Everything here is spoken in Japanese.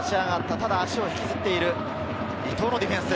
ただ足を引きずっている伊藤のディフェンス。